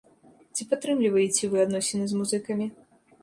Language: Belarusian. Ці падтрымліваеце вы адносіны з музыкамі?